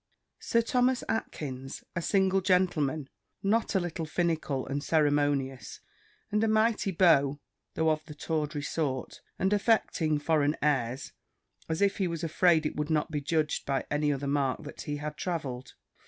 Sir Thomas Atkyns, a single gentleman, not a little finical and ceremonious, and a mighty beau, though of the tawdry sort, and affecting foreign airs; as if he was afraid it would not be judged by any other mark that he had travelled.